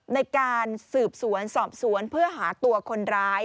ในการสืบสวนสอบสวนเพื่อหาตัวคนร้าย